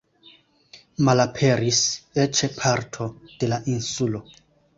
Malaperis eĉ parto de la insulo.